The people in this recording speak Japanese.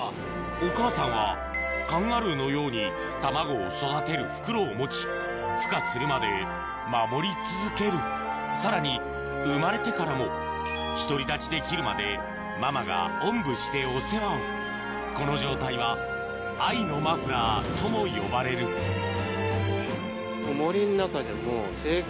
お母さんはカンガルーのように卵を育てる袋を持ちふ化するまで守り続けるさらに生まれてからも独り立ちできるまでママがおんぶしてお世話をこの状態は愛のマフラーとも呼ばれるそうですよね。